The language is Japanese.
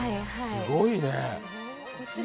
すごいね。